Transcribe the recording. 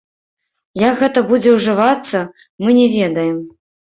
Як гэта будзе ўжывацца, мы не ведаем.